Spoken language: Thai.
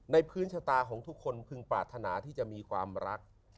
พื้นชะตาของทุกคนพึงปรารถนาที่จะมีความรัก